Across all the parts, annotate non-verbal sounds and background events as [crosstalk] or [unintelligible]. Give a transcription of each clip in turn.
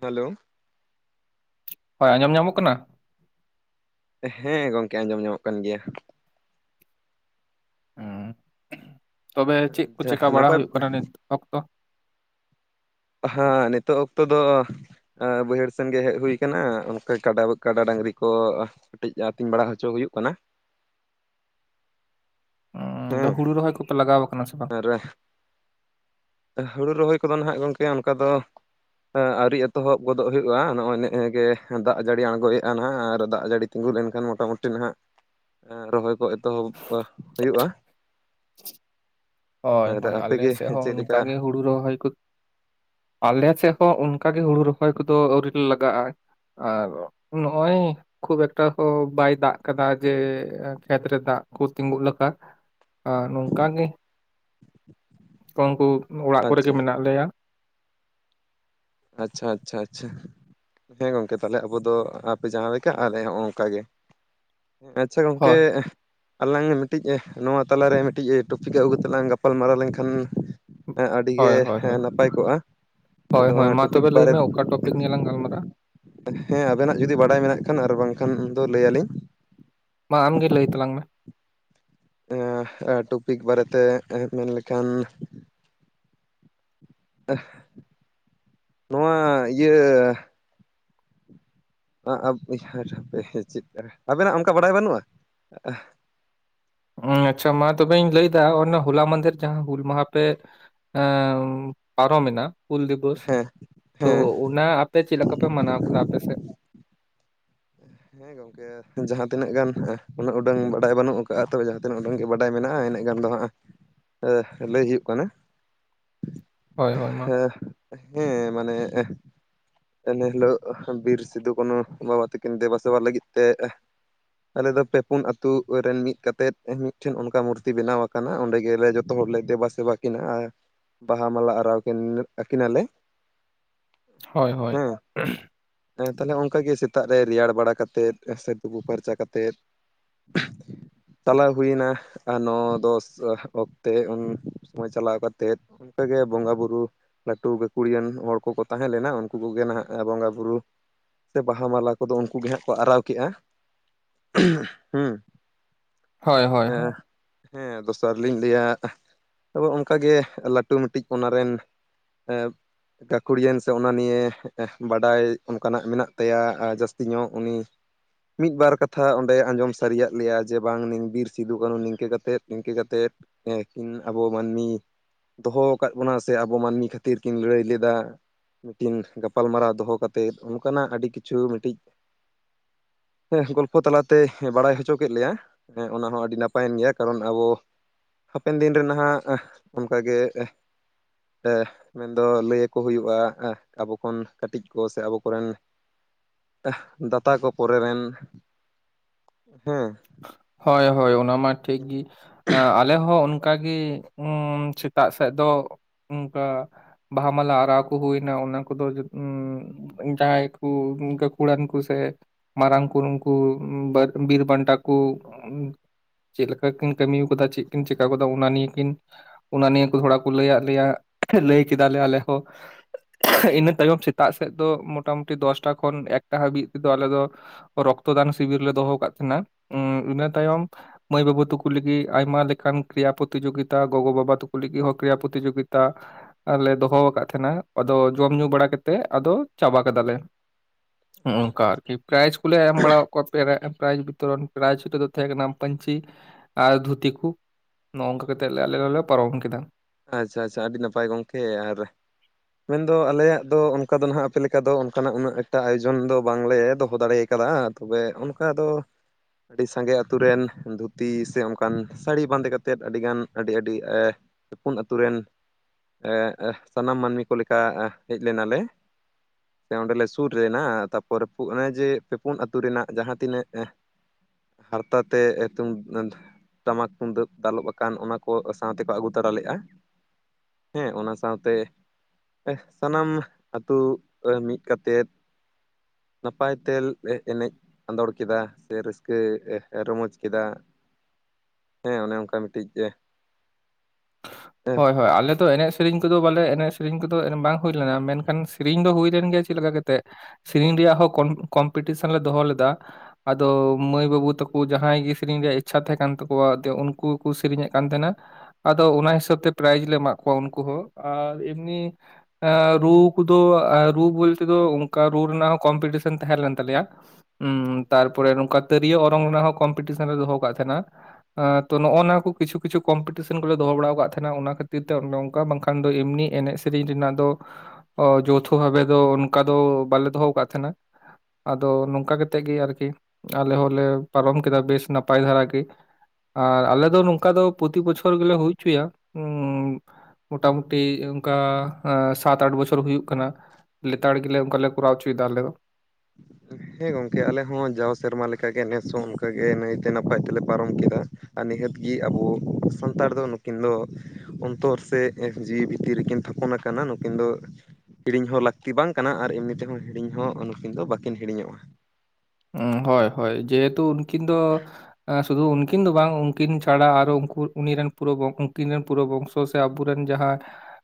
Hello ᱦᱳᱭ ᱟᱸᱡᱚᱢ ᱧᱟᱢᱚᱜ ᱠᱟᱱᱟ ᱦᱮᱸ ᱜᱚᱝᱠᱮ ᱟᱸᱡᱚᱢ ᱧᱟᱢᱚᱜ ᱠᱟᱱ ᱜᱮᱭᱟ [unintelligible] ᱛᱚᱵᱮ ᱪᱮᱫ ᱠᱚ ᱪᱤᱠᱟᱹ ᱟᱪᱪᱷᱟ ᱵᱟᱲᱟ ᱱᱟᱯᱟᱭ ᱦᱩᱭᱩᱜ ᱠᱟᱱᱟ ᱱᱤᱛ ᱚᱠᱛᱚ ᱦᱮᱸ ᱱᱤᱛᱚᱜ ᱚᱠᱛᱚ ᱫᱚᱼᱼ ᱟᱸ ᱵᱟᱹᱭᱦᱟᱹᱲ ᱥᱮᱱ ᱜᱮ ᱦᱮᱡ ᱦᱩᱭ ᱟᱠᱟᱱᱟ ᱚᱱᱠᱟ ᱠᱟᱰᱟ ᱠᱟᱰᱟ ᱰᱟᱝᱨᱤ ᱠᱚ ᱠᱟᱹᱴᱤᱡ ᱟᱹᱛᱤᱧ ᱵᱟᱲᱟ ᱦᱚᱪᱚ ᱦᱩᱭᱩᱜ ᱠᱟᱱᱟ ᱫᱚ ᱦᱮᱸ ᱦᱩᱲᱩ ᱨᱚᱦᱚᱭ ᱠᱚᱯᱮ ᱞᱟᱜᱟᱣ ᱟᱠᱟᱱᱟ ᱥᱮ ᱵᱟᱝᱼᱼ [unintelligible] ᱦᱩᱲᱩ ᱨᱚᱦᱚᱭ ᱠᱚᱫᱚ ᱱᱟᱦᱟᱜ ᱜᱚᱝᱠᱮ ᱚᱱᱠᱟ ᱫᱚᱼᱼ ᱟᱹᱣᱨᱤ ᱮᱛᱚᱦᱚᱵ ᱜᱚᱫᱚᱜ ᱦᱩᱭᱩᱜᱼᱟ ᱱᱚᱜᱼᱚᱭ ᱱᱮᱜ ᱜᱮ ᱫᱟᱜ ᱡᱟᱹᱲᱤ ᱟᱬᱜᱚᱭᱮᱜᱼᱟ ᱱᱟᱦᱟᱜ ᱟᱨ ᱫᱟᱜ ᱡᱟᱹᱲᱤ ᱛᱤᱸᱜᱩ ᱞᱮᱱ ᱠᱷᱟᱱ ᱢᱳᱴᱟᱢᱩᱴᱤ ᱱᱟᱦᱟᱜ ᱨᱚᱦᱚᱭ ᱠᱚ ᱮᱛᱚᱦᱚᱵ ᱦᱩᱭᱩᱜᱼᱟ ᱦᱳᱭ ᱟᱨ ᱦᱳᱭ ᱟᱞᱮ ᱟᱯᱮᱜᱮ ᱥᱮᱫ ᱦᱚᱸ ᱪᱮᱫ ᱞᱮᱠᱟ ᱚᱱᱠᱟ ᱜᱮ ᱦᱩᱲᱩ ᱨᱚᱦᱚᱭ ᱠᱚ ᱟᱞᱮ ᱥᱮᱫ ᱦᱚᱸ ᱚᱱᱠᱟ ᱜᱮ ᱦᱩᱲᱩ ᱨᱚᱦᱚᱭ ᱠᱚᱫᱚ ᱟᱹᱣᱨᱤ ᱞᱮ ᱞᱟᱜᱟᱜᱼᱟ ᱟᱨᱼᱼ ᱱᱚᱜᱼᱚᱭ ᱠᱷᱩᱵ ᱮᱠᱴᱟ ᱦᱚᱸ ᱵᱟᱭ ᱫᱟᱜ ᱟᱠᱟᱫᱟ ᱡᱮ ᱠᱷᱮᱛᱨᱮ ᱫᱟᱜ ᱠᱚ ᱛᱤᱸᱜᱩᱜ ᱞᱮᱠᱟ ᱟᱨ ᱱᱚᱝᱠᱟ ᱜᱮᱼᱼ ᱠᱚ ᱩᱱᱠᱩ ᱚᱲᱟᱜ ᱠᱚᱨᱮ ᱜᱮ ᱟᱪᱪᱷᱟ ᱢᱮᱱᱟᱜ ᱞᱮᱭᱟ ᱟᱪᱪᱷᱟ ᱟᱪᱪᱷᱟ ᱟᱪᱪᱷᱟ ᱦᱮᱸ ᱜᱚᱝᱠᱮ ᱛᱟᱦᱚᱞᱮ ᱟᱵᱚ ᱫᱚ ᱟᱯᱮ ᱡᱟᱦᱟᱸ ᱞᱮᱠᱟ ᱟᱞᱮ ᱦᱚᱸ ᱚᱱᱠᱟ ᱜᱮ [unintelligible] ᱥᱮ ᱜᱚᱝᱠᱮᱼᱼ ᱦᱳᱭ ᱟᱞᱟᱝ ᱢᱤᱫᱴᱤᱡ ᱱᱚᱣᱟ ᱛᱟᱞᱟ ᱨᱮ ᱢᱤᱫᱴᱤᱡ ᱴᱚᱯᱤᱠ ᱟᱹᱜᱩ ᱠᱟᱛᱮ ᱞᱟᱝ ᱜᱟᱯᱟᱞ ᱢᱟᱨᱟᱣ ᱞᱮᱱ ᱠᱷᱟᱱ ᱦᱮᱸ ᱟᱹᱰᱤ ᱜᱮ ᱦᱳᱭ ᱦᱳᱭ ᱦᱳᱭ ᱦᱮᱸ ᱱᱟᱯᱟᱭ ᱠᱚᱜᱼᱟ ᱦᱳᱭ ᱟᱫᱚ ᱦᱳᱭ ᱚᱱᱟᱼᱼ ᱢᱟ ᱛᱚᱵᱮ ᱞᱟᱹᱭ ᱢᱮ ᱚᱠᱟ ᱴᱚᱯᱤᱠ ᱱᱤᱭᱟᱹ ᱞᱟᱝ ᱜᱟᱞᱢᱟᱨᱟᱜ-ᱟ ᱦᱮᱸ ᱟᱵᱮᱱᱟᱜ ᱡᱩᱫᱤ ᱵᱟᱰᱟᱭ ᱢᱮᱱᱟᱜ ᱠᱷᱟᱱ ᱟᱨ ᱵᱟᱝ ᱠᱷᱟᱱ ᱫᱚ ᱞᱟᱹᱭᱟᱞᱤᱧ ᱢᱟ ᱟᱢ ᱜᱮ ᱞᱟᱹᱭ ᱛᱟᱞᱟᱝ ᱢᱮ ᱮᱸᱜ ᱴᱚᱯᱤᱠ ᱵᱟᱨᱮᱛᱮ [unintelligible] ᱢᱮᱱ ᱞᱮᱠᱷᱟᱱ ᱮᱜ ᱱᱚᱣᱟ ᱤᱭᱟᱹᱼᱼ [unintelligible] ᱟᱵᱮᱱᱟᱜ ᱚᱱᱠᱟ ᱵᱟᱰᱟᱭ ᱵᱟᱹᱱᱩᱜᱼᱟ ᱦᱩᱸ ᱟᱪᱪᱷᱟ ᱢᱟ ᱛᱚᱵᱮᱧ ᱞᱟᱹᱭ ᱮᱫᱟ ᱦᱚᱞᱟ ᱢᱟᱫᱮᱨ ᱡᱟᱦᱟᱸ ᱦᱩᱞ ᱢᱟᱦᱟ ᱯᱮᱼᱼ [unintelligible] ᱯᱟᱨᱚᱢ ᱮᱱᱟ ᱦᱩᱞ ᱫᱤᱵᱚᱥ ᱦᱮᱸ ᱛᱚ ᱦᱮᱸ ᱚᱱᱟ ᱟᱯᱮ ᱪᱮᱫ ᱞᱮᱠᱟ ᱯᱮ ᱢᱟᱱᱟᱣ ᱠᱮᱫᱟ ᱟᱯᱮ ᱥᱮᱫ ᱦᱮᱸ ᱜᱚᱝᱠᱮ ᱮᱜ ᱡᱟᱦᱟᱸ ᱛᱤᱱᱟᱹᱜ ᱜᱟᱱ ᱩᱱᱟᱹᱜ ᱩᱰᱟᱹᱝ ᱵᱟᱰᱟᱭ ᱵᱟᱹᱱᱩᱜ ᱠᱟᱜᱼᱟ ᱛᱚᱵᱮ ᱡᱟᱦᱟᱸ ᱛᱤᱱᱟᱹᱜ ᱩᱰᱟᱹᱝ ᱜᱮ ᱵᱟᱰᱟᱭ ᱢᱮᱱᱟᱜᱼᱟ ᱤᱱᱟᱹᱜ ᱜᱟᱱ ᱫᱚ ᱦᱟᱸᱜ [unintelligible] ᱞᱟᱹᱭ ᱦᱩᱭᱩᱜ ᱠᱟᱱᱟ [inaudible] ᱢᱟ ᱦᱮᱸ ᱦᱮᱸ ᱢᱟᱱᱮ ᱮᱱᱮ ᱦᱤᱞᱳᱜ ᱵᱤᱨ ᱥᱤᱫᱩ ᱠᱟᱱᱩ ᱵᱟᱵᱟ ᱛᱤᱠ ᱠᱤᱱ ᱫᱮᱵᱟ-ᱥᱮᱵᱟ ᱞᱟᱹᱜᱤᱫ ᱛᱮ ᱟᱞᱮ ᱫᱚ ᱯᱮ ᱯᱩᱱ ᱟᱹᱛᱩ ᱨᱮᱱ ᱢᱤᱫ ᱠᱟᱛᱮᱫ ᱢᱤᱫᱴᱷᱮᱱ ᱚᱱᱠᱟ ᱢᱩᱨᱛᱤ ᱵᱮᱱᱟᱣ ᱾ ᱠᱟᱱᱟ ᱚᱸᱰᱮ ᱜᱮᱞᱮ ᱡᱚᱛᱚ ᱦᱚᱲᱞᱮ ᱫᱮᱵᱟ ᱥᱮᱵᱟ ᱠᱤᱱᱟ ᱟᱨ ᱵᱟᱦᱟ ᱢᱟᱞᱟ ᱟᱨᱟᱣ ᱠᱤᱱ ᱟᱹᱠᱤᱱᱟᱞᱮ ᱾ ᱦᱳᱭ ᱦᱳᱭ [inaudible] ᱦᱮᱸ ᱛᱟᱦᱞᱮ ᱚᱝᱠᱟ ᱜᱮ ᱥᱮᱛᱟᱜ ᱨᱮ ᱨᱮᱭᱟᱲ ᱵᱟᱲᱟ ᱠᱟᱛᱮᱫ ᱥᱮ ᱛᱩᱯᱩ ᱯᱷᱟᱨᱪᱟ ᱠᱟᱛᱮᱫ ᱾ [inaudible] ᱪᱟᱞᱟ ᱦᱩᱭᱮᱱᱟ ᱟᱨ ᱱᱚ ᱫᱚᱥ ᱚᱠᱛᱮ ᱩᱱ ᱥᱚᱢᱚᱭ ᱪᱟᱞᱟᱣ ᱠᱟᱛᱮᱫ ᱾ ᱚᱝᱠᱟ ᱜᱮ ᱵᱚᱸᱜᱟ ᱵᱩᱨᱩ ᱞᱟᱹᱴᱩ ᱜᱟᱹᱠᱷᱩᱲᱤᱭᱟᱱ ᱦᱚᱲ ᱠᱚᱠᱚ ᱛᱟᱦᱮᱸ ᱞᱮᱱᱟ ᱩᱱᱠᱩ ᱠᱚᱜᱮ ᱱᱟᱦᱱᱟᱜ ᱵᱚᱸᱜᱟ ᱵᱩᱨᱩ ᱥᱮ ᱵᱟᱦᱟ ᱢᱟᱞᱟ ᱾ ᱠᱚᱫᱚ ᱩᱱᱠᱩ ᱜᱮ ᱦᱟᱸᱜ ᱠᱚ ᱟᱲᱟᱣ ᱠᱮᱜᱼᱟ [inaudible] ᱦᱩᱸ ᱾ ᱦᱳᱭ ᱦᱳᱭ ᱦᱳᱭ [inaudible] ᱦᱮᱸ ᱫᱚᱥᱟᱨ ᱞᱤᱧ ᱞᱟᱹᱭᱟ ᱟᱫᱚ ᱚᱱᱠᱟ ᱜᱮ ᱞᱟᱹᱴᱩ ᱢᱤᱴᱤᱡ ᱚᱱᱟ ᱨᱮᱱ [inaudible] ᱜᱟᱹᱠᱷᱩᱲᱤᱭᱟᱱ ᱥᱮ ᱚᱱᱟ ᱱᱤᱭᱮ ᱵᱟᱰᱟᱭ ᱚᱱᱠᱟᱱᱟᱜ ᱢᱮᱱᱟᱜ ᱛᱟᱭᱟ ᱟᱨ ᱡᱟᱹᱥ ᱛᱤᱧᱚᱜ ᱩᱱᱤ ᱢᱤᱫ ᱵᱟᱨ ᱠᱟᱛᱷᱟ ᱚᱸᱰᱮ ᱟᱸᱡᱚᱢ ᱥᱟᱹᱨᱤᱭᱟᱜ ᱞᱮᱭᱟᱭ ᱡᱮ ᱵᱟᱝ ᱱᱤᱱ ᱵᱤᱨ ᱥᱤᱫᱩᱼ ᱠᱟᱹᱱᱩ ᱱᱤᱝᱠᱟᱹ ᱠᱟᱛᱮᱫ ᱱᱤᱝᱠᱟᱹ ᱠᱟᱛᱮᱫ ᱾ ᱦᱮᱸᱠᱤᱱ ᱟᱵᱚ ᱢᱟᱹᱱᱢᱤ ᱫᱚᱦᱚ ᱟᱠᱟᱫ ᱵᱚᱱᱟ ᱥᱮ ᱟᱵᱚ ᱢᱟᱹᱱᱢᱤ ᱠᱷᱟᱹᱛᱤᱨ ᱠᱤᱱ ᱞᱟᱹᱲᱟᱹᱭ ᱞᱮᱫᱟ ᱾ ᱢᱤᱴᱤᱱ ᱜᱟᱯᱟᱞᱢᱟᱨᱟᱣ ᱫᱚᱦᱚ ᱠᱟᱛᱮᱫ ᱚᱱᱠᱟᱱᱟᱜ ᱟᱹᱰᱤ ᱠᱤᱪᱷᱩ ᱢᱤᱫᱴᱤᱡ ᱾ ᱦᱮᱸ ᱜᱚᱞᱯᱷᱚ ᱛᱟᱞᱟᱛᱮᱭ ᱵᱟᱲᱟᱭ ᱦᱚᱪᱚ ᱠᱮᱫ ᱞᱮᱭᱟ ᱦᱮᱸ ᱚᱱᱟ ᱦᱚᱸ ᱟᱹᱰᱤ ᱱᱟᱯᱟᱭᱮᱱ ᱜᱮᱭᱟ ᱠᱟᱨᱚᱱ ᱟᱵᱚ ᱾ ᱦᱟᱯᱮᱱ ᱫᱤᱱ ᱨᱮ ᱱᱟᱦᱟᱜ ᱚᱱᱠᱟ ᱜᱮ ᱾ [inaudible] ᱢᱮᱱᱫᱚ ᱞᱟᱹᱭ ᱟᱠᱚ ᱦᱩᱭᱩᱜᱼᱟ [inaudible] ᱟᱵᱚ ᱠᱷᱚᱱ ᱠᱟᱹᱴᱤᱡ ᱠᱚ ᱥᱮ ᱟᱵᱚ ᱠᱚᱨᱮᱱ [inaudible] ᱫᱟᱛᱟ ᱠᱚ ᱯᱚᱨᱮ ᱨᱮᱱ ᱦᱮᱸ ᱾ ᱦᱚᱭ ᱦᱚᱭ ᱚᱱᱟ ᱢᱟ ᱴᱷᱤᱠ ᱜᱤ ᱟᱻ ᱟᱞᱮ ᱦᱚᱸ ᱚᱱᱠᱟᱜᱮ [inaudible] ᱪᱷᱤᱛᱟᱜ ᱥᱮᱫ ᱫᱚ ᱚᱱᱠᱟ ᱵᱟᱦᱟ ᱢᱟᱞᱟ ᱟᱲᱟᱣ ᱠᱚ ᱦᱩᱭᱱᱟ ᱚᱱᱟ ᱠᱚᱫᱚ [inaudible] ᱡᱟᱦᱟᱸᱭ ᱠᱩ ᱜᱟᱠᱷᱩᱲᱟᱱ ᱠᱚ ᱥᱮ ᱢᱟᱨᱟᱝ ᱠᱩᱨᱩᱝ ᱠᱩ ᱵᱟᱨ ᱵᱤᱨ ᱵᱟᱱᱴᱟ ᱠᱚ ᱾ ᱪᱮᱫ ᱞᱮᱠᱟ ᱠᱤᱱ ᱠᱟᱹᱢᱤ ᱠᱟᱫᱟ ᱪᱮᱜ ᱠᱤᱱ ᱪᱤᱠᱟ ᱠᱟᱫᱟ ᱚᱱᱟ ᱱᱤᱭᱮᱠᱤᱱ ᱚᱱᱟ ᱱᱤᱭᱮ ᱠᱚ ᱦᱚᱲᱟ ᱠᱚ ᱞᱟᱹᱭᱟᱫ ᱞᱮᱭᱟ ᱞᱟᱹᱭ ᱠᱮᱫᱟᱞᱮ ᱟᱞᱮ ᱦᱚᱸ [inaudible] ᱤᱱᱟᱹ ᱛᱟᱭᱚᱢ ᱥᱮᱛᱟᱜ ᱥᱮᱫ ᱫᱚ ᱢᱚᱴᱟᱢᱩᱴᱤ ᱫᱚᱥᱴᱟ ᱠᱷᱚᱱ ᱮᱠᱴᱟ ᱦᱟᱹᱵᱤᱡ ᱛᱮᱫᱚ ᱟᱞᱮ ᱫᱚ ᱾ ᱨᱚᱠᱛᱚᱫᱟᱱ ᱥᱤᱵᱤᱨ ᱞᱮ ᱫᱚᱦᱚ ᱠᱟᱫ ᱛᱟᱦᱮᱸᱱᱟ ᱤᱱᱟᱹ ᱟᱪᱪᱷᱟ ᱛᱟᱭᱚᱢ ᱾ ᱢᱟᱹᱭ ᱵᱟᱹᱵᱩ ᱛᱟᱠᱩ ᱞᱟᱹᱜᱤᱫ ᱟᱭᱢᱟ ᱞᱮᱠᱟᱱ ᱠᱨᱤᱭᱟ ᱯᱨᱚᱛᱤᱡᱳᱜᱤᱛᱟ ᱜᱚᱜᱚ ᱵᱟᱵᱟ ᱛᱟᱠᱚ ᱞᱟᱹᱜᱤᱫ ᱦᱚᱸ ᱠᱨᱤᱭᱟ ᱯᱨᱚᱛᱤᱡᱳᱜᱤᱛᱟ ᱾ ᱟᱨᱞᱮ ᱫᱚᱦᱚ ᱟᱠᱟᱫ ᱛᱟᱦᱮᱸᱱᱟ ᱟᱫᱚ ᱡᱚᱢ ᱧᱩ ᱵᱟᱲᱟ ᱠᱟᱛᱮᱫ ᱟᱫᱚ ᱪᱟᱵᱟ ᱠᱟᱫᱟᱞᱮ ᱾ ᱦᱩᱜᱚᱝᱠᱟ ᱟᱨᱠᱤ ᱯᱨᱟᱭᱤᱡᱽ ᱠᱚᱞᱮ ᱮᱢ ᱵᱟᱲᱟ ᱟᱫ ᱠᱚᱣᱟ ᱯᱨᱟᱭᱤᱡᱽ ᱵᱤᱛᱚᱨᱚᱱ ᱯᱨᱟᱭᱤᱪ [inaudible] ᱛᱟᱸᱦᱮ ᱠᱟᱱᱟ ᱯᱟᱹᱧᱪᱤ ᱟᱨ ᱫᱷᱩᱛᱤ ᱠᱩ ᱱᱚᱜᱼᱚᱝᱠᱟ ᱠᱟᱛᱮᱫ ᱟᱞᱮ [inaudible] ᱯᱟᱨᱚᱢ ᱠᱮᱫᱟ ᱾ ᱟᱪᱷᱟ ᱟᱪᱷᱟ ᱟ. ᱰᱤ ᱱᱟᱯᱟᱭ ᱜᱚᱢᱠᱮ ᱟᱨ ᱢᱮᱱᱫᱚ ᱟᱞᱮᱭᱟᱜ ᱫᱚ ᱚᱱᱠᱟ ᱫᱚ ᱱᱟᱦᱟᱜ ᱟᱯᱮ ᱞᱮᱠᱟ ᱫᱚ ᱚᱱᱠᱟᱱᱟᱜ ᱩᱱᱟᱹᱜ ᱮᱴᱟ ᱟᱭᱳᱡᱳᱱ ᱫᱚ ᱵᱟᱝᱞᱮ ᱫᱚᱦᱚ ᱫᱟᱲᱮ ᱠᱟᱫᱟ ᱛᱚᱵᱮ ᱚᱱᱠᱟ ᱫᱚ ᱟᱹᱰᱤ ᱥᱟᱸᱜᱮ ᱟᱹᱛᱩ ᱨᱮᱱ ᱫᱷᱩᱛᱤ ᱥᱮ ᱚᱱᱠᱟᱱ ᱥᱟᱹᱲᱤ ᱵᱟᱸᱫᱮ ᱠᱟᱛᱮᱫ ᱟᱹᱰᱤᱜᱟᱱ ᱟᱹᱰᱤ ᱟᱹᱰᱤ ᱯᱩᱱ ᱟᱹᱛᱩ ᱨᱮᱱ ᱮ‌. ᱮ. ᱥᱟᱱᱟᱢ ᱢᱟᱹᱱᱢᱤ ᱠᱚ ᱞᱮᱠᱟ ᱮ. ᱦᱮᱡ ᱞᱮᱱᱟᱞᱮ ᱾ ᱥᱮ ᱚᱸᱰᱮ ᱞᱮ ᱥᱩᱨ ᱨᱮᱱᱟ ᱛᱟᱨᱯᱚᱨ ᱚᱱᱮ ᱡᱮ ᱯᱮ ᱯᱩᱱ ᱟᱹᱛᱩ ᱨᱮᱱᱟᱜ ᱡᱟᱦᱟᱸ ᱛᱤᱱᱟᱹᱜ ᱮ. ᱾ ᱦᱟᱨᱛᱟ ᱛᱮ ᱮ ᱛᱩᱜ ᱴᱟᱢᱟᱠ ᱛᱩᱢ ᱫᱟ. ᱜ ᱫᱟᱞᱚᱵ ᱟᱠᱟᱱ ᱚᱱᱟ ᱠᱚ ᱥᱟᱶᱛᱮ ᱠᱚ ᱟᱹᱜᱩ ᱛᱚᱨᱟ ᱞᱮᱫ-ᱟ, ᱦᱮᱸ ᱚᱱᱟ ᱥᱟᱶ ᱛᱮ ᱮ. ᱥᱟᱱᱟᱢ ᱟᱛᱩ ᱨᱮᱱ ᱢᱤᱫ ᱠᱟᱛᱮᱫ ᱱᱟᱯᱟᱭ ᱛᱮ ᱞᱮ ᱮᱱᱮᱡ ᱟᱸᱫᱳᱲ ᱠᱮᱫᱟ ᱥᱮ ᱨᱟᱹᱥᱠᱟᱹ ᱨᱚᱢᱚᱡᱽ ᱠᱮᱫᱟ, ᱦᱮᱸ ᱚᱱᱮ ᱚᱱᱠᱟ ᱢᱤᱫᱴᱤᱡ ᱦᱚᱭ ᱦᱚᱭ ᱟᱞᱮ ᱫᱚ ᱮᱱᱮᱡ ᱥᱮᱨᱮᱧ ᱠᱚᱫᱚ ᱵᱚᱞᱮ ᱮᱱᱮᱡ ᱥᱮᱨᱮᱧ ᱠᱚᱫᱚ ᱵᱟᱝ ᱦᱩᱭ ᱞᱮᱱᱟ ᱢᱮᱱᱠᱷᱟᱱ ᱥᱮᱨᱮᱧ ᱫᱚ ᱦᱩᱭ ᱞᱮᱱ ᱜᱮᱭᱟ ᱪᱮᱫ ᱞᱮᱠᱟ ᱠᱟᱛᱮᱜ ᱥᱮᱨᱮᱧ ᱨᱮᱭᱟᱜ ᱦᱚᱸᱠᱚᱢ ᱠᱚᱢᱯᱤᱴᱤᱥᱟᱱ ᱞᱮ ᱫᱚᱦᱚ ᱞᱮᱫᱟ᱾ ᱟᱫᱚ ᱢᱟᱹᱭ ᱵᱟ. ᱵᱩ ᱛᱟᱠᱩ ᱡᱟᱦᱟᱭ ᱜᱮ ᱥᱮᱨᱮᱧ ᱨᱮᱭᱟᱜ ᱤᱪᱷᱟ ᱛᱟᱦᱮᱸ ᱠᱟᱱ ᱛᱟᱠᱚᱣᱟ ᱩᱱᱠᱩ ᱜᱮᱠᱚ ᱥᱮᱨᱮᱧᱮᱫ ᱠᱟᱱ ᱛᱟᱦᱮᱸᱱᱟ᱾ ᱟᱫᱚ ᱚᱱᱟ ᱦᱤᱥᱟᱹᱵ ᱛᱮ ᱯᱨᱟᱭᱤᱡᱽ ᱞᱮ ᱮᱢᱟᱜ ᱠᱚᱣᱟ ᱩᱱᱠᱩ ᱦᱚᱸ ᱟᱨ ᱮᱢᱱᱤ ᱮ ᱨᱩ ᱠᱚᱫᱚ ᱨᱩ ᱵᱚᱞᱛᱮ ᱫᱚ ᱚᱱᱠᱟ ᱨᱩ ᱨᱮᱱᱟᱜ ᱦᱚᱸ ᱠᱚᱢᱯᱤᱴᱤᱥᱟᱱ ᱛᱟᱦᱮᱸ ᱞᱮᱱ ᱛᱟᱞᱮᱭᱟ ᱾ ᱦᱩᱸ ᱛᱟᱨᱯᱚᱨᱮ ᱱᱚᱝᱠᱟ ᱛᱤᱨᱤᱭᱳ ᱚᱨᱚᱝ ᱨᱮᱱᱟᱜ ᱦᱚᱸ ᱠᱚᱢ ᱠᱚᱢᱯᱤᱴᱤᱥᱟᱱ ᱞᱮ ᱫᱚᱦᱚ ᱠᱟᱜ ᱛᱟᱦᱮᱱᱟ ᱮ. ᱛᱚ ᱱᱚᱜᱚ ᱱᱚᱣᱟ ᱠᱤᱪᱷᱩ ᱠᱤᱪᱷᱩ ᱠᱚᱢᱯᱤᱴᱤᱥᱟᱱ ᱞᱮ ᱫᱚᱦᱚ ᱵᱟᱲᱟᱣ ᱠᱟᱜ ᱛᱟᱦᱮᱱᱟ᱾ ᱚᱱᱟ ᱠᱷᱟᱹᱛᱤᱨ ᱛᱮ ᱚᱱ ᱚᱱᱠᱟ ᱵᱟᱝᱠᱷᱟᱱ ᱫᱚ ᱮᱢᱱᱤ ᱮᱱᱮᱡ ᱥᱮᱨᱮᱧ ᱨᱮᱱᱟᱜ ᱫᱚ ᱾ ᱚ ᱡᱳᱣᱛᱷᱚ ᱵᱷᱟᱵᱮ ᱫᱚ ᱚᱱᱠᱟ ᱫᱚ ᱵᱟᱞᱮ ᱫᱚᱦᱚᱣ ᱠᱟᱜ ᱛᱟᱦᱮᱸᱱᱟ ᱾ ᱟᱫᱚ ᱱᱚᱝᱠᱟ ᱠᱟᱛᱮᱜ ᱜᱮ ᱟᱨᱠᱤ ᱟᱞᱮ ᱦᱚᱞᱮ ᱯᱟᱨᱚᱢ ᱠᱮᱫᱟ ᱵᱮᱥ ᱱᱟᱯᱟᱭ ᱫᱷᱟᱨᱟ ᱜᱮ ᱾ ᱟᱨ ᱟᱞᱮ ᱫᱚ ᱱᱚᱝᱠᱟ ᱫᱚ ᱯᱨᱳᱛᱤ ᱵᱚᱪᱷᱚᱨ ᱜᱮᱞᱮ ᱦᱩᱭ ᱦᱚᱪᱚᱭᱟ, ᱩ. ᱢᱚᱴᱟᱢᱳᱴᱤ ᱚᱱᱠᱟ ᱮ. ᱥᱟᱛ ᱟᱴ ᱵᱚᱪᱷᱚᱨ ᱦᱩᱭᱩᱜ ᱠᱟᱱᱟ᱾ ᱞᱮᱛᱟᱲ ᱜᱮᱞᱮ ᱚᱱᱠᱟ ᱞᱮ ᱠᱚᱨᱟᱣ ᱚᱪᱚᱭᱮᱫᱟ ᱟᱞᱮ ᱫᱚ ᱾ ᱦᱮᱸ ᱜᱚᱢᱠᱮ ᱟᱞᱮ ᱦᱚᱸ ᱡᱟᱣ ᱥᱮᱨᱢᱟ ᱞᱮᱠᱟ ᱜᱮ ᱱᱮᱥ ᱦᱚᱸ ᱚᱱᱠᱟᱜᱮ ᱱᱟᱭ ᱛᱮ ᱱᱟᱯᱟᱭ ᱛᱮᱞᱮ ᱯᱟᱨᱚᱢ ᱠᱮᱫᱟ ᱾ ᱟᱨ ᱱᱤᱦᱟᱹᱛ ᱜᱮ ᱟᱵᱚ ᱥᱟᱱᱛᱟᱲ ᱫᱚ ᱱᱩᱠᱤᱱ ᱫᱚ ᱚᱱᱛᱚᱨ ᱥᱮ ᱡᱤᱣᱤ ᱵᱷᱤᱫᱨᱤ ᱨᱮᱠᱤᱱ ᱛᱷᱟᱯ ᱚᱱ ᱠᱟᱱᱟ ᱱᱩᱠᱤᱱ ᱫᱚ ᱦᱤᱲᱤᱧ ᱚᱱᱟ ᱠᱟᱱᱟ ᱱᱩᱠᱤᱱ ᱫᱚ ᱦᱤᱲᱤᱧ ᱦᱚᱸ ᱞᱟᱹᱠᱛᱤ ᱵᱟᱝ ᱠᱟᱱᱟ ᱟᱨ ᱮᱢᱱᱤ ᱛᱮᱦᱚ ᱦᱤᱲᱤᱧ ᱦᱚᱸ ᱱᱩᱠᱤᱱ ᱫᱚ ᱵᱟᱠᱤᱱ ᱦᱤ ᱦᱤᱲᱤᱧ ᱧᱚᱜ-ᱟ ᱾ ᱦᱳᱭ ᱦᱳᱭ ᱡᱮᱦᱮᱛᱩ ᱩᱱᱠᱤᱱ ᱫᱚ ᱥᱩᱫᱩ ᱩᱱᱠᱤᱱ ᱫᱚ ᱵᱟᱝ ᱩᱱᱠᱤᱱ ᱪᱷᱟᱰᱟ ᱟᱨᱚ ᱩᱱ ᱩᱱ ᱨᱮᱱ ᱯᱩᱨᱳ ᱵᱚᱝᱥᱚ ᱩᱱᱠᱤᱱ ᱨᱮᱱ ᱯᱩᱨᱳ ᱵᱚᱝᱥᱚ ᱥᱮ ᱟᱵᱚ ᱨᱮᱱ ᱡᱟᱦᱟ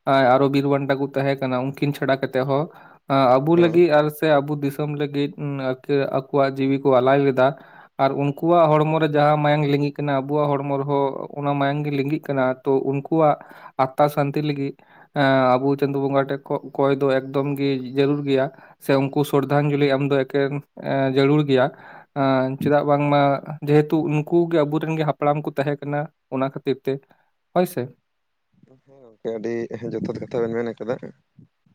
ᱠᱚ ᱟᱨᱦᱚᱸ ᱵᱤᱨ ᱵᱟᱱᱴᱟ ᱠᱚ ᱛᱟᱦᱮᱸ ᱠᱟᱱᱟ ᱩᱱᱠᱤᱱ ᱪᱷᱟᱰᱟ ᱠᱟᱛᱮᱜ ᱦᱚᱸ, ᱟᱵᱩ ᱦᱮᱸ ᱞᱟᱹᱜᱤᱫ ᱟᱨ ᱥᱮ ᱟᱵᱚ ᱫᱤᱥᱚᱢ ᱞᱟᱹᱜᱤᱫ ᱮ. ᱟᱠᱚᱣᱟᱜ ᱡᱤᱣᱤ ᱠᱚ ᱟᱞᱟᱭ ᱞᱮᱫᱟ ᱟᱨ ᱩᱱᱠᱩᱣᱟᱜ ᱦᱚᱲᱢᱚ ᱨᱮ ᱡᱟᱦᱟᱸ ᱢᱟᱭᱟᱝ ᱞᱤᱸᱜᱤᱜ ᱠᱟᱱᱟ ᱟᱵᱚᱣᱟᱜ ᱦᱚᱲᱢᱚ ᱨᱮᱦᱚᱸ ᱚᱱᱟ ᱢᱟᱭᱟᱢ ᱜᱮ ᱞᱤᱸᱜᱤᱜ ᱠᱟᱱᱟ ᱾ ᱛᱳ ᱩᱱᱠᱩᱣᱟᱜ ᱟᱸᱛᱛᱟ ᱥᱟᱱᱛᱤ ᱞᱟᱹᱜᱤᱫ ᱮᱸ ᱟᱵᱚ ᱪᱟᱸᱫᱳ ᱵᱚᱸᱜᱟ ᱴᱮᱜ ᱠᱚᱭ ᱫᱚ ᱮᱠᱫᱚᱢ ᱜᱮ ᱡᱟᱲᱩᱨ ᱜᱮᱭᱟ ᱾ ᱥᱮ ᱩᱱᱠᱩ ᱥᱚᱫᱷᱟᱝᱡᱩᱞᱤ ᱮᱢ ᱫᱚ ᱮᱠᱮᱱ ᱡᱟᱲᱩᱨ ᱜᱮᱭᱟ ᱾ ᱮ. ᱪᱮᱫᱟᱜ ᱵᱟᱝᱢᱟ ᱡᱮᱦᱩᱛᱩ ᱩᱱᱠᱩ ᱜᱮ ᱟᱵᱚᱨᱮᱱ ᱜᱮ ᱦᱟᱯᱲᱟᱢ ᱠᱚ ᱛᱟᱦᱮ ᱠᱟᱱᱟ᱾ ᱚᱱᱟ ᱠᱷᱟᱛᱤᱨ ᱛᱮ ᱦᱳᱭ ᱥᱮ, ᱦᱮᱸ ᱜᱚᱝᱠᱮ ᱟᱹᱰᱤ ᱡᱚᱛᱷᱟᱛ ᱠᱟᱛᱷᱟ ᱵᱮᱱ ᱢᱮᱱ ᱟᱠᱟᱫᱟ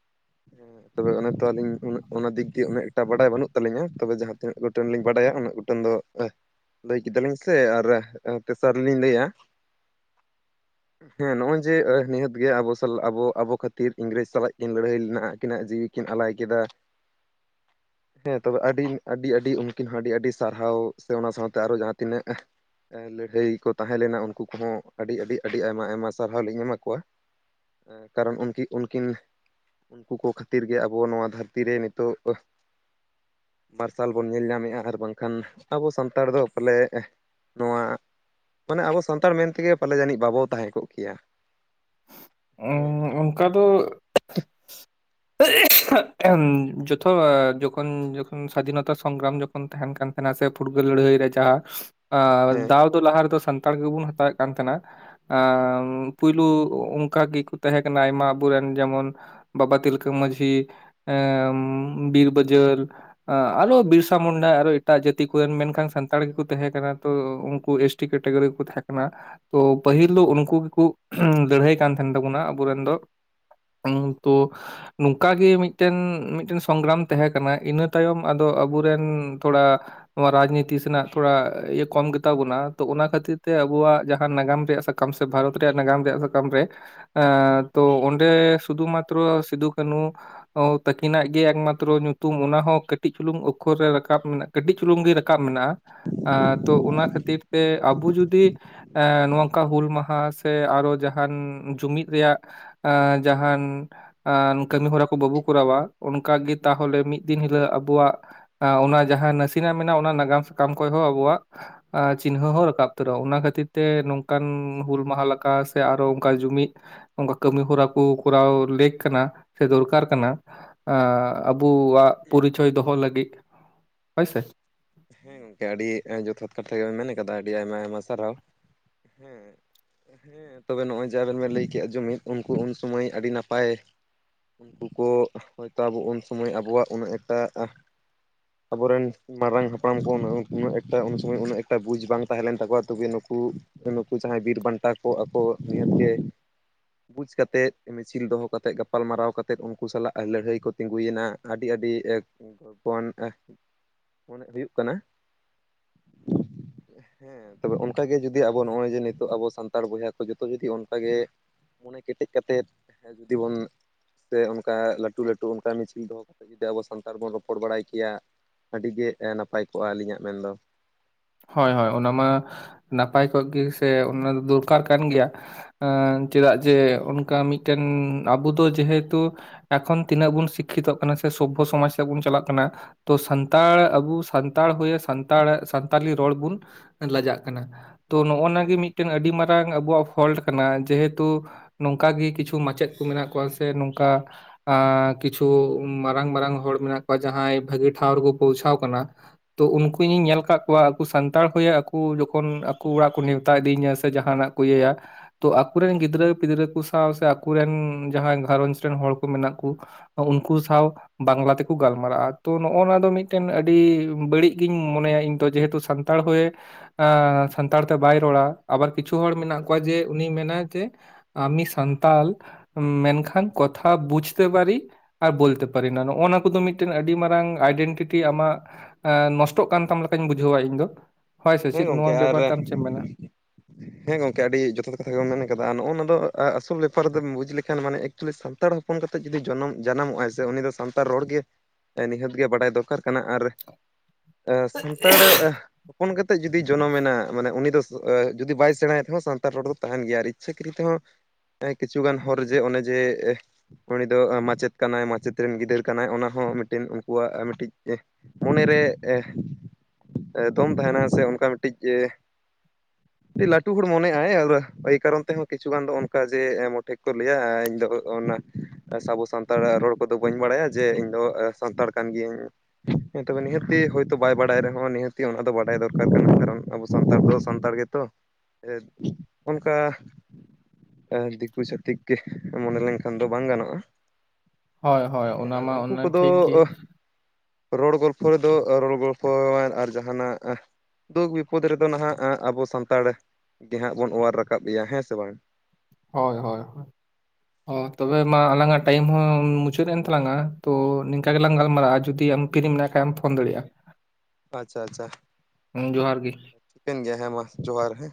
᱾ ᱛᱚᱵᱮ ᱚᱱᱮ ᱛᱚ ᱟᱞᱤᱧ ᱩᱱᱟᱜ ᱚᱱᱟ ᱫᱤᱠ ᱫᱤᱮᱭᱮ ᱩᱱᱟᱹᱜ ᱮᱠᱴᱟ ᱵᱟᱰᱟᱭ ᱵᱟᱹᱱᱩᱜ ᱛᱟᱹᱤᱧᱟ, ᱛᱚᱵᱮ ᱡᱟᱦᱟᱸ ᱛᱤᱱᱟᱹᱜ ᱜᱚᱴᱟᱝ ᱞᱤᱧ ᱵᱟᱰᱟᱭᱟ ᱩᱱᱟᱹᱜ ᱜᱷᱴᱟᱝ ᱫᱚ ᱮᱷ ᱞᱟᱹᱭ ᱠᱮᱫᱟᱞᱤᱧ ᱥᱮ ᱟᱨ ᱛᱮᱥᱟᱨ ᱞᱤᱧ ᱞᱟᱹᱭᱟ ᱦᱮᱸ ᱱᱚᱜᱼᱚᱭ ᱡᱮ ᱟᱷ ᱱᱤᱦᱟᱹᱛ ᱜᱮ ᱟᱵᱚ ᱥᱟᱞᱟᱜ ᱟᱵᱚ ᱟᱵᱚ ᱠᱷᱟᱹᱛᱤᱨ ᱤᱝᱨᱮᱡᱽ ᱥᱟᱞᱟᱜ ᱠᱤᱱ ᱞᱟᱹᱲᱦᱟᱹᱭ ᱞᱮᱱᱟ ᱟᱹᱠᱤᱱᱟᱜ ᱡᱤᱣᱤ ᱠᱤᱱ ᱟᱞᱟᱭ ᱠᱮᱫᱟ᱾ [unintelligible] ᱦᱮᱸ ᱛᱚᱵᱮ ᱟᱹᱰᱤ ᱟᱹᱰᱤ ᱟᱹᱰᱤ ᱩᱱᱠᱤᱱ ᱦᱚᱸ ᱟᱹᱰᱤ ᱟᱹᱰᱤ ᱥᱟᱨᱦᱟᱣ ᱥᱮ ᱚᱱᱟ ᱥᱟᱸᱳᱛᱮ ᱟᱨᱚ ᱡᱟᱦᱟᱸ ᱛᱤᱱᱟᱹᱜ ᱮᱷ ᱮ ᱞᱟᱹᱲᱦᱟᱹᱭ ᱠᱚ ᱛᱟᱦᱮᱸ ᱞᱮᱱᱟ ᱩᱱᱠᱩ ᱠᱚᱦᱚᱸ ᱟᱹᱰᱤ ᱟᱹᱰᱤ ᱟᱹᱰᱤ ᱟᱭᱢᱟ ᱟᱭᱢᱟ ᱥᱟᱨᱦᱟᱣ ᱞᱤᱧ ᱮᱢᱟ ᱠᱚᱣᱟ᱾ ᱮᱸ ᱠᱟᱨᱚᱱ ᱩᱱᱠᱤ ᱩᱱᱠᱤᱱ ᱩᱱᱠᱩ ᱠᱚ ᱠᱷᱟᱹᱛᱤᱨ ᱜᱮ ᱟᱵᱚ ᱱᱚᱣᱟ ᱫᱷᱟᱹᱨᱛᱤ ᱨᱮ ᱱᱤᱛᱚᱜ ᱳᱷ ᱢᱟᱨᱥᱟᱞ ᱵᱚᱱ ᱧᱮᱞ ᱧᱟᱢᱮᱫᱼᱟ ᱟᱨ ᱵᱟᱝᱠᱷᱟᱱ ᱟᱵᱚ ᱥᱟᱱᱛᱟᱲ ᱫᱚ ᱯᱟᱞᱮᱜ ᱮᱷ ᱱᱚᱣᱟ, ᱢᱟᱱᱮ ᱟᱵᱚ ᱥᱟᱱᱛᱟᱲ ᱢᱮᱱ ᱛᱮᱜᱮ ᱯᱟᱞᱮ ᱡᱟᱹᱱᱤᱡ ᱵᱟᱵᱚ ᱛᱟᱦᱮᱸ ᱠᱚᱜ ᱠᱮᱭᱟ᱾ ᱦᱮᱸ᱾ ᱠᱟ ᱫᱚ ᱡᱚᱛᱚ ᱡᱚᱠᱷᱚᱱ ᱡᱚᱠᱷᱚᱱ ᱥᱟᱫᱷᱤᱱᱚᱛᱟ ᱥᱚᱝᱜᱨᱟᱢ ᱡᱚᱠᱷ ᱠᱷᱚᱱ ᱛᱟᱦᱮᱱ ᱠᱟᱱ ᱛᱟᱦᱮᱸᱱᱟ ᱥᱮ ᱯᱷᱩᱴᱜᱟᱹ ᱞᱟᱹᱲᱦᱟᱹᱭ ᱨᱮ ᱡᱟᱦᱟᱸ ᱟ ᱦᱮᱸ ᱫᱟᱣ ᱫᱚ ᱞᱟᱷᱟ ᱨᱮ ᱫᱚ ᱥᱟᱱᱛᱟᱲ ᱜᱮᱵᱚᱱ ᱦᱟᱛᱟᱣᱮᱫ ᱠᱟᱱ ᱛᱟᱦᱮᱸᱱᱟ ᱟᱸ ᱯᱩᱭᱞᱩ ᱩᱱᱠ ᱚᱱᱠᱟ ᱜᱮᱠᱚ ᱛᱟᱦᱮᱸ ᱠᱟᱱᱟ ᱟᱭᱢᱟ ᱟᱵᱚᱨᱮᱱ ᱡᱮᱢᱚᱱ ᱵᱟᱵᱟ ᱛᱤᱞᱠᱟᱹ ᱢᱟᱺᱡᱷᱤ᱾ ᱮᱸ ᱵᱤᱨ ᱵᱟᱹᱡᱟᱹᱟᱞ᱾ ᱟᱸ ᱟᱨᱚ ᱵᱤᱨᱥᱟ ᱢᱩᱱᱰᱟ ᱟᱨᱚ ᱮᱴᱟᱜ ᱡᱟᱹᱛᱤ ᱠᱚᱨᱮᱱ, ᱢᱮᱱᱠᱷᱟᱱ ᱥᱟᱱᱛᱟᱲ ᱜᱮᱠᱚ ᱛᱟᱦᱮᱸ ᱠᱟᱱᱟ ᱛᱚ ᱩᱱᱠᱩ ᱮᱥᱴ ᱴᱤ ᱠᱮᱴᱟᱜᱚᱤ ᱜᱮᱠᱚ ᱛᱟᱦᱮᱸ ᱠᱟᱱᱟ ᱛᱚ ᱯᱟᱹᱦᱤᱞ ᱫᱚ ᱩᱱᱠᱩ ᱜᱮᱠᱚ ᱞᱟᱹᱲᱦᱟᱹᱭ ᱠᱟᱱ ᱛᱟᱦᱮᱱ ᱛᱟᱵᱚᱱᱟ ᱟᱵᱚᱨᱮᱱ ᱫᱚ ᱩᱸ ᱛᱳ ᱱᱚᱝᱠᱟᱟᱜᱮ ᱢᱤᱫᱴᱮᱱ, ᱢᱤᱫᱴᱮᱱ ᱥᱚᱝᱜᱨᱟᱢ ᱛᱟᱦᱮᱸ ᱠᱟᱱᱟ᱾ ᱤᱱᱟᱹ ᱛᱟᱭᱚᱢ ᱟᱫᱚ ᱟᱵᱚᱨᱮᱱ ᱛᱷᱚᱲᱟ ᱱᱚᱣᱟ ᱨᱟᱡᱽᱱᱤᱛᱤ ᱥᱮᱱᱟᱜ ᱛᱷᱚᱲᱟ ᱤᱭᱟᱹ ᱠᱚᱢ ᱜᱮᱛᱟ ᱵᱚᱱᱟ᱾ ᱛᱚ ᱚᱱᱟ ᱠᱷᱟᱹᱛᱤᱨ ᱛᱮ ᱟᱵᱚᱣᱟᱜ ᱡᱟᱦᱟᱸ ᱱᱟᱜᱟᱢ ᱨᱮᱭᱟᱜ ᱥᱟᱠ ᱠᱟᱢ ᱥᱮ ᱵᱷᱟᱨᱚᱛ ᱨᱮᱭᱟᱜ ᱱᱟᱜᱟᱢ ᱨᱮᱭᱟᱜ ᱥᱟᱠᱟᱢ ᱨᱮ᱾ ᱮᱸ ᱛᱚ ᱚᱱᱰᱮ ᱥᱩᱫᱩ ᱢᱟᱛᱨᱚ ᱥᱤᱫᱷᱩ ᱠᱟᱹᱱᱩ ᱚᱶ ᱛᱟᱹᱠᱤᱱᱟᱜ ᱜᱮ ᱮᱠᱢᱟᱛᱨᱚ ᱧᱩᱛᱩᱢ, ᱚᱱᱟᱦᱚᱸ ᱠᱟᱹᱴᱤᱡ ᱪᱩᱞᱩᱝ ᱚᱠᱠᱷᱚᱨ ᱨᱮ ᱨᱟᱠᱟᱵ ᱢᱮᱱᱟᱜ ᱠᱟᱹᱴᱤᱡ ᱪᱩᱞᱩᱝ ᱜᱮ ᱨᱟᱠᱟᱵ ᱢᱮᱱᱟᱜᱼᱟ᱾ ᱟ ᱛᱳ ᱚᱱᱟ ᱠᱷᱟᱹᱛᱤᱨ ᱛᱮ ᱟᱵᱚ ᱡᱩᱫᱤ ᱮᱸ ᱱᱚᱝᱠᱟ ᱦᱩᱞ ᱢᱟᱦᱟ ᱥᱮ ᱟᱨᱚ ᱡᱟᱦᱟᱱ ᱡᱩᱢᱤᱫ ᱨᱮᱭᱟᱜ ᱟᱸ ᱡᱟᱦᱟᱱ ᱟᱸᱱ ᱠᱟᱹᱢᱤ ᱦᱚᱨᱟ ᱠᱚ ᱵᱟᱵᱚ ᱠᱚᱨᱟᱣᱟ ᱚᱱᱠᱟᱜᱮᱛ ᱛᱟᱦᱚᱞᱮ ᱢᱤᱫ ᱫᱤᱱ ᱦᱤᱞᱳᱜ ᱟᱵᱚᱣᱟᱜ ᱟᱸ ᱚᱱᱟ ᱡᱟᱦᱟᱸ ᱱᱟᱥᱤᱱᱟᱜ ᱢᱮᱱᱟᱜᱼᱟ ᱚᱱᱟ ᱱᱟᱜᱟᱢ ᱥᱟᱠᱟᱢ ᱠᱷᱚᱡ ᱦᱚᱸ ᱟᱵᱚᱣᱟᱜ ᱟᱸ ᱪᱤᱱᱦᱟᱹ ᱦᱚᱸ ᱨᱟᱠᱟᱵ ᱩᱛᱟᱹᱨᱚ-ᱟ᱾ ᱚᱱᱟ ᱠᱷᱟᱹᱛᱤᱨ ᱛᱮ ᱱᱚᱝᱠᱟᱱ ᱦᱩᱞ ᱢᱟᱦᱟ ᱞᱮᱠᱟ ᱥᱮ ᱟᱨᱚ ᱚᱱᱠᱟ ᱡᱩᱢᱤᱫ ᱚᱱᱠᱟ ᱠᱟᱹᱢᱤ ᱦᱚᱨᱟ ᱠᱚ ᱠᱚᱨᱟᱣ ᱞᱮᱠ ᱠᱟᱱᱟ ᱥᱮ ᱫᱚᱨᱠᱟᱨ ᱠᱟᱱᱟ᱾ ᱟᱸ ᱟᱵᱚᱣᱟᱜ ᱯᱚᱨᱤᱪᱚᱭ ᱫᱚᱦᱚ ᱞᱟᱹᱜᱤᱫ, ᱦᱳᱭᱥᱮ᱾ ᱦᱮᱸ ᱜᱚᱝᱠᱮ, ᱟᱹᱰᱤ ᱮᱸ ᱡᱚᱛᱷᱟᱛ ᱠᱟᱛᱷᱟ ᱜᱮᱵᱮᱱ ᱢᱮᱱ ᱠᱟᱫᱟ, ᱟᱹᱰᱤ ᱟᱭᱢᱟ ᱟᱭᱢᱟ ᱥᱟᱨᱦᱟᱣ᱾ᱦᱮᱸ ᱦᱮᱸ ᱛᱚᱵᱮ ᱱᱚᱜᱼᱚᱭ ᱡᱮ ᱟᱵᱮᱱ ᱵᱮᱱ ᱞᱟᱹᱭ ᱠᱮᱜᱼᱟ ᱡᱩᱢᱤᱫ, ᱩᱱᱠᱩ ᱩᱱ ᱥᱚᱢᱚᱭ ᱟᱹᱰᱤ ᱱᱟᱯᱟᱭ ᱩᱱᱠᱩ ᱠᱚ ᱦᱚᱭᱛᱳ ᱟᱵᱚ ᱩᱱ ᱥᱚᱢᱚᱭ ᱟᱵᱚᱣᱟᱜ ᱩᱱᱟᱹᱜ ᱮᱠᱴᱟ ᱟᱦ ᱟᱵᱚᱨᱮᱱ ᱢᱟᱨᱟᱝ ᱦᱟᱯ ᱯᱲᱟᱢ ᱠᱚ ᱩᱱᱟᱹᱜ ᱩᱱᱟᱹᱜ ᱮᱠᱴᱟ, ᱩᱱ ᱥᱚᱢᱚᱭ ᱩᱱᱟᱹᱜ ᱮᱠᱴᱟ ᱵᱩᱡᱽ ᱵᱟᱝ ᱛᱟᱦᱮᱸ ᱞᱮᱱ ᱛᱟᱠᱚᱣᱟ ᱛᱚᱵᱮ ᱱᱩᱠᱩ ᱱᱩᱠᱩ ᱡᱟᱦᱟᱸᱭ ᱵᱤᱨ ᱵᱟᱱᱴᱟ ᱠᱚ ᱟᱠᱚ ᱱᱤᱦᱟᱹᱛ ᱜᱮ ᱵᱩᱡᱽ ᱠᱟᱛᱮᱫ, ᱢᱤᱪᱷᱤᱞ ᱫᱚᱦᱚ ᱠᱟᱛᱮᱫ, ᱜᱟᱯᱟᱞᱢᱟᱨᱟᱣ ᱠᱟᱛᱮᱫ ᱩᱱᱠᱩ ᱥᱟᱞᱟᱜ ᱞᱟᱹᱲᱦᱟᱹᱭ ᱠᱚ ᱛᱤᱸᱜᱩᱭᱮᱱᱟ᱾ ᱟᱹᱰᱤ ᱟᱹᱰᱤ ᱮᱠ ᱠᱚᱱ ᱮᱸᱦ ᱢᱚᱱᱮ ᱦᱩᱭᱩᱜ ᱠᱟᱱᱟ᱾ [inaudible] ᱦᱮᱸ, ᱛᱚᱵᱮ ᱚᱱᱠᱟᱜᱮ ᱡᱩᱫᱤ ᱟᱵᱚ ᱱᱚᱜᱼᱚᱭ ᱡᱮ ᱱᱤᱛᱚᱜ ᱟᱵᱚ ᱥᱟᱱᱛᱟᱲ ᱵᱚᱭᱦᱟ ᱠᱚ ᱡᱚᱛᱚ ᱡᱩᱫᱤ ᱚᱱᱠᱟᱜᱮ ᱢᱚᱱᱮ ᱠᱮᱴᱮᱡ ᱠᱟᱛᱮᱫ ᱦᱮᱸ ᱡᱩᱫᱤ ᱵᱚᱱ ᱥᱮ ᱚᱱᱠᱟ ᱞᱟᱹᱴᱩ ᱞᱟᱹᱴᱩ ᱚᱱᱠᱟ ᱢᱤᱪᱷᱤᱞ ᱫᱚᱦᱚ ᱠᱟᱛᱮᱫ ᱡᱩᱫᱤ ᱟᱵᱚ ᱥᱟᱱᱛᱟᱲ ᱵᱚᱱ ᱨᱚᱯᱚᱲ ᱵᱟᱲᱟᱭ ᱠᱮᱭᱟ᱾ ᱟᱹᱰᱤᱜᱮ ᱮ ᱱᱟᱯᱟᱭ ᱠᱚᱜᱼᱟ ᱟᱹᱞᱤᱧᱟᱜ ᱢᱮᱱ ᱫᱚ᱾ ᱦᱳᱭ ᱦᱳᱭ, ᱚᱱᱟ ᱢᱟ ᱱᱟᱯᱟᱭ ᱠᱚᱜ ᱜᱮ ᱥᱮ ᱚᱱᱟ ᱫᱚ ᱫᱚᱨᱠᱟᱨ ᱠᱟᱱ ᱜᱮᱭᱟ᱾ ᱮᱸ ᱪᱮᱫᱟᱜ ᱡᱮ ᱚᱱᱠᱟ ᱢᱤᱫᱴᱮᱱ ᱟᱵᱚ ᱫᱚ ᱡᱮᱦᱮᱛᱩ ᱮᱠᱷᱚᱱ ᱛᱤᱱᱟᱹᱜ ᱵᱚᱱ ᱥᱤᱠᱠᱷᱤᱛᱚᱜ ᱠᱟᱱᱟ ᱥᱮ ᱥᱚᱵᱽᱵᱷᱚ ᱥᱚᱢᱟᱡ ᱥᱮᱫ ᱵᱚᱱ ᱪᱟᱞᱟᱜ ᱠᱟᱱᱟ᱾ ᱛᱚ ᱥᱟᱱᱛᱟᱲ ᱟᱵᱚ ᱥᱟᱱᱛᱟᱲ ᱦᱩᱭᱮ ᱥᱟᱱᱛᱟᱲ ᱥᱟᱱ ᱛᱟᱞᱤ ᱨᱚᱲ ᱵᱚᱱ ᱞᱟᱡᱟᱜ ᱠᱟᱱᱟ᱾ ᱛᱚ ᱱᱚᱜᱼᱚᱱᱟ ᱜᱮ ᱦᱮᱸ ᱢᱤᱫᱴᱟᱹᱝ ᱟᱹᱰᱤ ᱢᱟᱨᱟᱝ ᱨᱟᱝ ᱟᱵᱚᱣᱟᱜ ᱯᱷᱚᱞᱴ ᱠᱟᱱᱟ ᱡᱮᱦᱮᱛᱩ ᱱᱚᱝᱠᱟᱜᱮ ᱠᱤᱪᱷᱩ ᱢᱟᱪᱮᱫ ᱠᱚ ᱢᱮᱱᱟᱜ ᱠᱚᱣᱟ ᱥᱮ ᱱᱚᱝᱠᱟ ᱟ ᱠᱤᱪᱷᱩ ᱢᱟᱨᱟᱝ ᱢᱟᱨᱟᱝ ᱦᱚᱲ ᱢᱮᱱᱟᱜ ᱠᱚᱣᱟ ᱡᱟᱦᱟᱸᱭ ᱵᱷᱟᱹᱜᱤ ᱴᱷᱟᱶ ᱨᱮᱠᱚ ᱯᱳᱣᱪᱷᱟᱣ ᱠᱟᱱᱟ᱾ ᱛᱚ ᱩᱱᱠᱩ ᱤᱧᱤᱧ ᱧᱮᱞ ᱟᱠᱟᱫ ᱠᱚᱣᱟ ᱟᱠᱚ ᱥᱟᱱᱛᱟᱲ ᱦᱚᱭᱮ ᱟᱠᱚ ᱡᱚᱠᱷᱚᱱ ᱟᱠᱚ ᱚᱲᱟᱜ ᱠᱚ ᱱᱮᱣᱛᱟ ᱤᱫᱤᱧᱟ ᱥᱮ ᱡᱟᱦᱟᱱᱟᱜ ᱠᱚ ᱤᱭᱟᱹᱭᱟ ᱛᱚ ᱟᱠᱚᱨᱮᱱ ᱜᱤᱫᱽᱨᱟᱹ ᱯᱤᱫᱽᱨᱟᱹ ᱠᱚ ᱥᱟᱶ ᱥᱮ ᱟᱠᱚᱨᱮᱱ ᱡᱟᱦᱟᱸᱭ ᱜᱷᱟᱨᱚᱸᱡᱽ ᱨᱮᱱ ᱦᱚᱲ ᱠᱚ ᱢᱮᱱᱟᱜ ᱠᱚ ᱟ ᱩᱱᱠᱩ ᱥᱟᱶ ᱵᱟᱝᱞᱟ ᱛᱮᱠᱚ ᱜᱟᱞᱢᱟᱨᱟᱜᱼᱟ ᱛᱚ ᱱᱚᱜᱼᱚ ᱱᱚᱣᱟ ᱫᱚ ᱢᱤᱫᱴᱮᱱ ᱟᱹᱰᱤ ᱵᱟᱹᱲᱤᱡ ᱜᱤᱧ ᱢᱚᱱᱮᱭᱟ ᱤᱧ ᱛᱚ ᱡᱮᱦᱮᱛᱩ ᱥᱟᱱᱛᱟᱲ ᱦᱚᱭᱮ ᱟᱸ ᱥᱟᱱᱛᱟᱲ ᱛᱮ ᱵᱟᱭ ᱨᱚᱲᱟ, ᱟᱵᱟᱨ ᱠᱤᱪᱷᱩ ᱦᱚᱲ ᱢᱮᱱᱟᱜ ᱠᱚᱣᱟ ᱦᱮᱸ ᱡᱮ ᱩᱱᱤ ᱢᱮᱱᱟ ᱡᱮ ᱟᱢᱤ ᱥᱟᱱᱛᱟᱞ ᱢᱮᱱᱠᱷᱟᱱ ᱠᱚᱛᱷᱟ ᱵᱩᱡᱛᱮ ᱯᱟᱨᱤ ᱟᱨ ᱵᱚᱞᱛᱮ ᱯᱟᱨᱤᱱᱟ ᱱᱚᱜᱼᱚᱱᱟ ᱠᱚᱫᱚ ᱢᱤᱫᱴᱮᱱ ᱟᱹᱰᱤ ᱢᱟᱨᱟᱝ ᱟᱭᱰᱮᱱᱴᱤ ᱴᱤᱴᱤ ᱟᱢᱟᱜ ᱟᱸ ᱱᱚᱥᱴᱚᱜ ᱠᱟᱱ ᱛᱟᱢ ᱞᱮᱠᱟᱧ ᱵᱩᱡᱷᱟᱹᱣᱟ ᱤᱧ ᱫᱚ᱾ ᱦᱳᱭ ᱦᱮᱸ ᱥᱮᱪᱮᱫ ᱱᱚᱣᱟ ᱜᱚᱝᱠᱮ ᱟᱨ ᱵᱮᱯᱟᱨ ᱛᱮ ᱟᱢ ᱪᱮᱫ ᱮᱢ ᱢᱮᱱᱟ? ᱦᱮᱸ ᱜᱚᱝᱠᱮ ᱟᱹᱰᱤ ᱡᱚᱛᱷᱟᱛ ᱠᱟᱛᱷᱟ ᱜᱮᱢ ᱢᱮᱱ ᱠᱟᱫᱟ ᱱᱚᱜᱼᱚ ᱱᱚᱣᱟ ᱫᱚ ᱟᱼᱟᱥᱚᱞ ᱵᱮᱯᱟᱨ ᱫᱚᱢ ᱵᱩᱡᱽ ᱞᱮᱠᱷᱟᱱ ᱢᱟᱱᱮ ᱪᱩᱞᱤ ᱥᱟᱱᱛᱟᱲ ᱦᱚᱯᱚᱱ ᱠᱟᱛᱮᱜ ᱡᱩᱫᱤ ᱡᱚᱱᱚᱢ ᱡᱟᱱᱟᱢᱚᱜᱼᱟ ᱥᱮ ᱩᱱᱤ ᱫᱚ ᱥᱟᱱᱛᱟᱲ ᱨᱚᱲ ᱜᱮ ᱮ ᱱᱤᱦᱟᱹᱛ ᱜᱮ ᱵᱟᱰᱟᱭ ᱫᱚᱨᱠᱟᱨ ᱠᱟᱱᱟ ᱟᱨ ᱮ ᱥᱟᱱᱛᱟᱲ ᱮ ᱦᱚᱯᱚᱱ ᱠᱟᱛᱮᱫ ᱡᱩᱫᱤ ᱡᱚᱱᱚᱢᱮᱱᱟ ᱢᱟᱱᱮ ᱩᱱᱤ ᱫᱚ ᱮ ᱡᱩᱫᱤ ᱵᱟᱭ ᱥᱮᱬᱟᱭ ᱛᱮᱦᱚᱸ ᱥᱟᱱᱛᱟᱲ ᱨᱚᱲ ᱫᱚ ᱛᱟᱦᱮᱱ ᱜᱮᱭᱟ, ᱟᱨ ᱤᱪᱷᱟᱹᱠᱨᱤ ᱛᱮᱦᱚᱸ ᱮᱸ ᱠᱤᱪᱷᱩ ᱜᱟᱱ ᱦᱚᱨ ᱡᱮ ᱚᱱᱮ ᱡᱮ ᱩᱱᱤ ᱫᱚ ᱚ ᱢᱟᱪᱮᱫ ᱠᱟᱱᱟᱭ ᱢᱟᱪᱮᱫ ᱨᱮᱱ ᱜᱤᱫᱟᱹᱨ ᱠᱟᱱᱟᱭ ᱚᱱᱟ ᱦᱚᱸ ᱢᱤᱫᱴᱮᱱ ᱩᱱᱠᱩᱣᱟᱜ ᱢᱤᱫᱴᱤᱡ ᱮ ᱢᱚᱱᱮᱨᱮ ᱮ, ᱮ ᱫᱚᱢ ᱛᱟᱦᱮᱱᱟ ᱦᱮᱥᱮ ᱚᱱᱠᱟ ᱢᱤᱫᱴᱤᱡ ᱮ ᱫᱤ ᱞᱟᱹᱴᱩ ᱦᱚᱲ ᱢᱚᱱᱮᱜᱼᱟᱭ ᱟᱫᱚ ᱳᱭ ᱠᱟᱨᱚᱱ ᱛᱮᱦᱚᱸ ᱠᱤᱪᱷᱩ ᱜᱟᱱ ᱫᱚ ᱚᱱᱠᱟ ᱡᱮ ᱢᱚᱴᱷᱮ ᱠᱚ ᱞᱟᱹᱭᱟ ᱤᱧ ᱫᱚ ᱚᱱᱟ ᱮ ᱥᱟᱵᱚ ᱥᱟᱱᱛᱟᱲ ᱨᱚᱲ ᱠᱚᱫᱚ ᱵᱟᱹᱧ ᱵᱟᱲᱟᱭᱟ ᱡᱮ ᱤᱧ ᱫᱚ ᱮ ᱥᱟᱱᱛᱟᱲ ᱠᱟᱱ ᱜᱤᱭᱟᱹᱧ᱾ ᱦᱮᱸ ᱛᱚᱵᱮ ᱱᱤᱦᱟᱹᱛᱤ ᱦᱳᱭᱛᱳ ᱵᱟᱭ ᱵᱟᱰᱟᱭ ᱨᱮᱦᱚᱸ ᱱᱤᱦᱟᱹᱛᱤ ᱚᱱᱟ ᱫᱚ ᱵᱟᱰᱟᱭ ᱫᱚᱨᱠᱟᱨ ᱠᱟᱱᱟ ᱠᱟᱨᱚᱱ ᱟᱵᱚ ᱥᱟᱱᱛᱟᱲ ᱫᱚ ᱥᱟᱱᱛᱟᱲ ᱜᱮᱛᱚ᱾ ᱮ ᱚᱱᱠᱟ ᱮ ᱫᱤᱠᱩ ᱪᱷᱟᱛᱤᱠ ᱜᱮ ᱢᱚᱱᱮ ᱞᱮᱱᱠᱷᱟᱱ ᱫᱚ ᱵᱟᱝ ᱜᱟᱱᱚᱜᱼᱟ᱾ ᱦᱳᱭ ᱦᱳᱭ ᱦᱮᱸ ᱚᱱᱟ ᱟᱨ ᱢᱟ ᱩᱝᱠᱩ ᱚᱱᱟ ᱠᱚᱫᱚ ᱴᱷᱤᱠ ᱜᱮ ᱚ ᱨᱚᱲ ᱜᱚᱞᱯᱷᱚ ᱨᱮᱫᱚ ᱨᱚᱲ ᱜᱚᱞᱯᱷᱚ ᱟᱨ ᱡᱟᱦᱟᱱᱟᱜ ᱟᱸ ᱫᱩᱠ ᱵᱤᱯᱚᱫ ᱨᱮᱫᱚ ᱱᱟᱦᱟᱜ ᱟᱸ ᱟᱵᱚ ᱥᱟᱱᱛᱟᱲ ᱜᱮ ᱦᱟᱸᱜ ᱵᱚᱱ ᱚᱣᱟᱨ ᱨᱟᱠᱟᱵ ᱮᱭᱟ ᱦᱮᱸ ᱥᱮ ᱵᱟᱝ? ᱦᱚᱭ ᱦᱚᱭ ᱦᱚᱸ᱾ ᱚ ᱛᱚᱵᱮ ᱢᱟ ᱟᱞᱟᱝᱟᱜ ᱴᱟᱭᱤᱢ ᱦᱚᱸ ᱢᱩᱪᱟᱹᱫ ᱮᱱ ᱛᱟᱞᱟᱝᱼᱟ ᱛᱚ ᱱᱤᱝᱠᱟ ᱜᱮᱞᱟᱝ ᱜᱟᱞᱢᱟᱨᱟᱜᱼᱟ ᱡᱩᱫᱤ ᱟᱢ ᱯᱦᱤᱨᱤ ᱢᱮᱱᱟᱜ ᱠᱷᱟᱡᱮᱢ ᱯᱷᱳᱱ ᱫᱟᱲᱮᱜᱼᱟ᱾ ᱟᱪᱪᱷᱟ ᱟᱪᱪᱷᱟ ᱴᱷᱤᱠᱟᱹᱱ ᱜᱮᱭᱟ ᱦᱮᱸ ᱢᱟ ᱡᱚᱦᱟᱨ ᱦᱮᱸ᱾